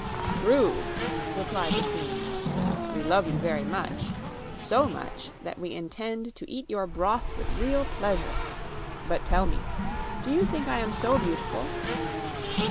"True," replied the Queen. "We love you very much; so much that we intend to eat your broth with real pleasure. But tell me, do you think I am so beautiful?"